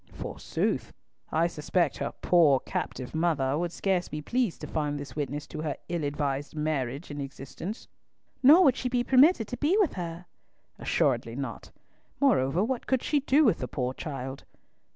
"Forsooth! I suspect her poor captive mother would scarce be pleased to find this witness to her ill advised marriage in existence." "Nor would she be permitted to be with her." "Assuredly not. Moreover, what could she do with the poor child?"